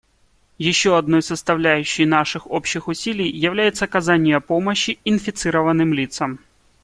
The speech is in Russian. Еще одной составляющей наших общих усилий является оказание помощи инфицированным лицам.